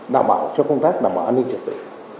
đảm bảo cho công tác đảm bảo an ninh trật tự